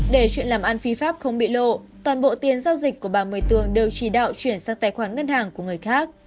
để chuyện làm ăn phi pháp không bị lộ toàn bộ tiền giao dịch của bà mười tường đều chỉ đạo chuyển sang tài khoản ngân hàng của người khác